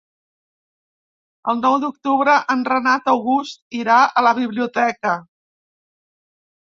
El nou d'octubre en Renat August irà a la biblioteca.